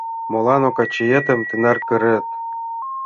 — Молан Окачиетым тынар кырет?